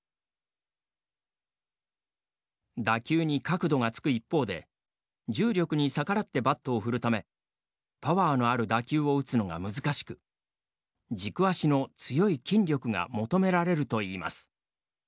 打球に角度がつく一方で重力に逆らってバットを振るためパワーのある打球を打つのが難しく軸足の強い筋力が求められるといいます。